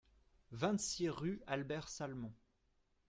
vingt-six rue Albert Salmon